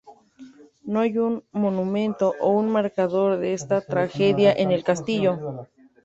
No hay un monumento o un marcador de esta tragedia en el castillo.